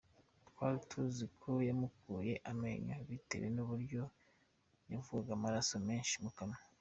Twari tuzi ko yamukuye amenyo bitewe n’uburyo yavaga amaraso menshi mu kanwa.